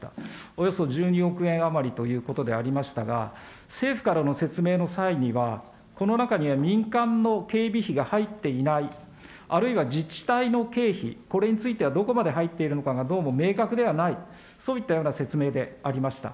およそ１２億円余りということでありましたが、政府からの説明の際には、この中には民間の警備費が入っていない、あるいは自治体の経費、これについては、どこまで入っているのかが、どうも明確ではない、そういったような説明でありました。